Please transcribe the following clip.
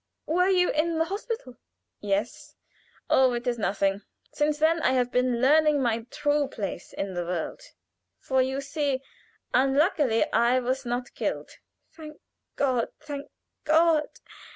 Were you in the hospital?" "Yes. Oh, it is nothing. Since then I have been learning my true place in the world, for you see, unluckily, I was not killed." "Thank God! Thank God!